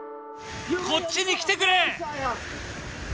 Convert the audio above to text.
こっちに来てくれ！